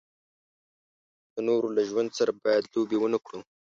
د نورو له ژوند سره باید لوبې و نه کړو.